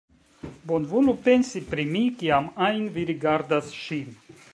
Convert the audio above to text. Bonvolu pensi pri mi, kiam ajn vi rigardas ŝin.